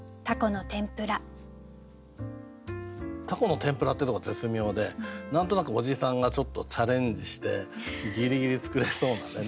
「蛸の天ぷら」っていうところが絶妙で何となくおじさんがちょっとチャレンジしてギリギリ作れそうなね。